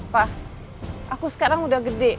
pak aku sekarang udah gede